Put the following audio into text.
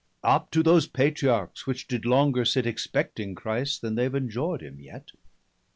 Up to those Patriarchs, which did longer sit 345 Expecting Christ, then they'have enjoy'd him yet.